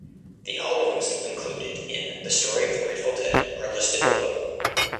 The albums included in "The Story of the Grateful Dead" are listed below.